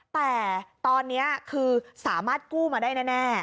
แต่ตอนนี้คือสามารถกู้มาได้แน่